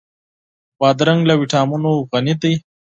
بادرنګ له ويټامینونو غني دی.